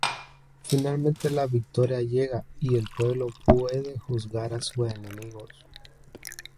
Finalmente la victoria llega y el pueblo puede juzgar a sus enemigos.